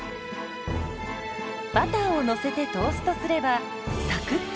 バターをのせてトーストすればサクッとした食感に！